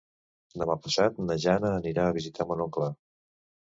Demà passat na Jana anirà a visitar mon oncle.